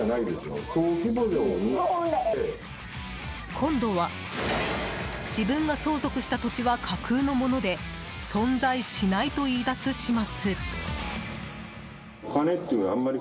今度は、自分が相続した土地は架空のもので存在しないと言い出す始末。